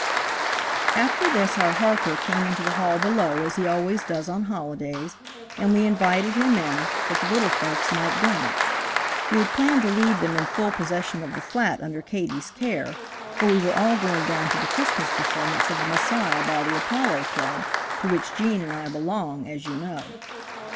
After this our harper came into the hall below as he always does on holidays, and we invited him in, that the little folks might dance. We had planned to leave them in full possession of the flat under Katie's care, for we were all going down to the Christmas performance of the Messiah by the Apollo Club, to which Gene and I belong, as you know.